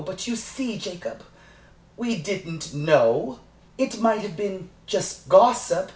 But you see, Jacob, we didn't know. It might have been just gossip.